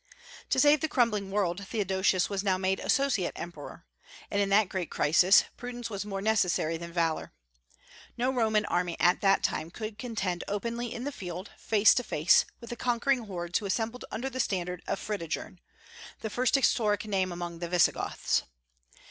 To save the crumbling world, Theodosius was now made associate emperor. And in that great crisis prudence was more necessary than valor. No Roman army at that time could contend openly in the field, face to face, with the conquering hordes who assembled under the standard of Fritigern, the first historic name among the Visigoths.